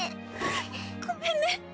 ごめんね！